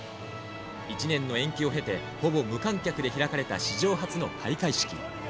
１年の延期を経て、ほぼ無観客で開かれた史上初の開会式。